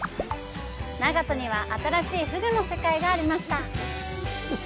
長門には新しいフグの世界がありました！